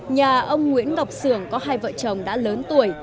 nhà ông nguyễn ngọc sưởng có hai vợ chồng đã lớn tuổi